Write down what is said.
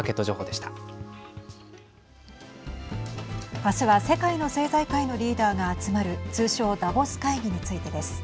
明日は世界の政財界のリーダーが集まる通称ダボス会議についてです。